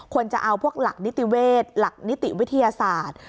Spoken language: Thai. จะเอาพวกหลักนิติเวศหลักนิติวิทยาศาสตร์